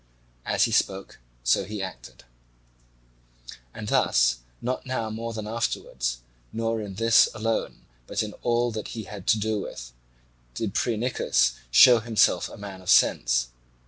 As he spoke so he acted; and thus not now more than afterwards, nor in this alone but in all that he had to do with, did Phrynichus show himself a man of sense.